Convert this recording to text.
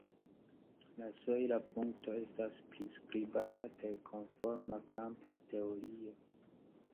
La sojla punkto estas priskribata per konforma kampa teorio.